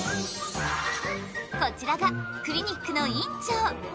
こちらがクリニックの院長。